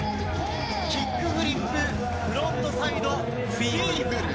キックフリップフロントサイドフィーブル。